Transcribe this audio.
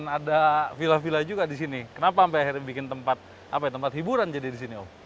ada villa villa juga di sini kenapa sampai akhirnya bikin tempat apa ya tempat hiburan jadi di sini